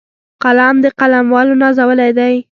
قلم د قلموالو نازولی دی